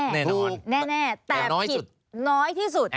แน่แต่ผิดน้อยที่สุด